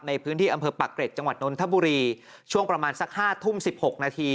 ในพื้นที่อำเภอปักเกร็ดจังหวัดนนทบุรีช่วงประมาณสัก๕ทุ่ม๑๖นาที